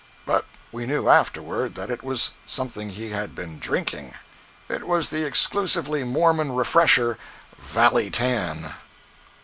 But we knew afterward that it was something he had been drinking. It was the exclusively Mormon refresher, "valley tan."